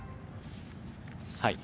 はい。